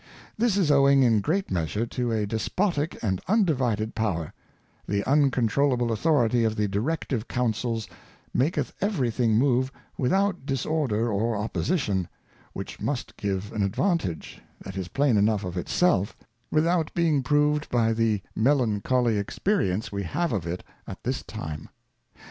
— This is owing in great Measure to a Despotick and Undivided Power ; the uncontroulable Authority of the Directive j:^Duncils maketh every thing move without Disorder or Opposition, which mu st give an advantage, that is plain enough of it self, without being 172 A Rough Draught being proved by the melancholly Experience we have of it at this time.